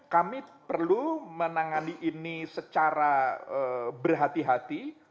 kami perlu menangani ini secara berhati hati